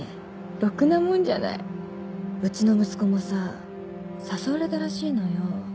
ろくなもんじゃないうちの息子もさ誘われたらしいのよ